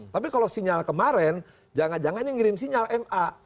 tapi kalau sinyal kemarin jangan jangan yang ngirim sinyal ma